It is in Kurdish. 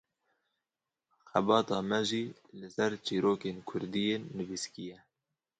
Xebata me jî li ser çîrokên kurdî yên nivîskî ye.